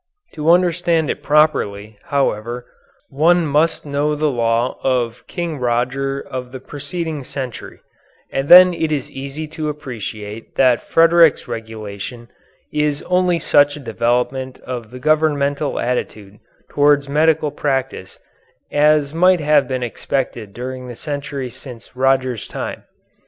To understand it properly, however, one must know the law of King Roger of the preceding century; and then it is easy to appreciate that Frederick's regulation is only such a development of the governmental attitude toward medical practice as might have been expected during the century since Roger's time.